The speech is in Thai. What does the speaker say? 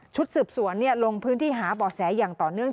สืบสวนลงพื้นที่หาบ่อแสอย่างต่อเนื่อง